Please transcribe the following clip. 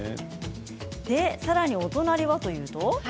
さらにお隣はというと？